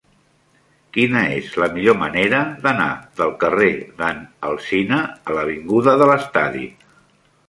Quina és la millor manera d'anar del carrer de n'Alsina a l'avinguda de l'Estadi?